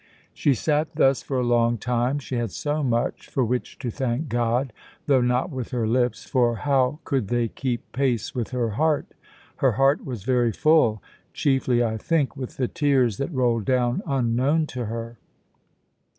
She sat thus for a long time; she had so much for which to thank God, though not with her lips, for how could they keep pace with her heart? Her heart was very full; chiefly, I think, with the tears that rolled down unknown to her.